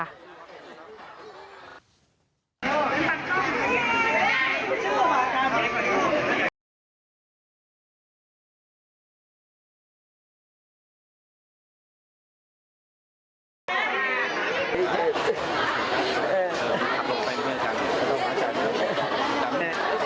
แล้วตารางกักกอันตรายทางครูสมอาจช่วยกันได้ไหมครับ